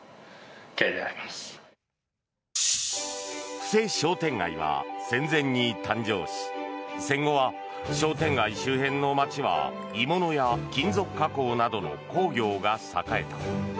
布施商店街は戦前に誕生し戦後は商店街周辺の街は鋳物や金属加工などの工業が栄えた。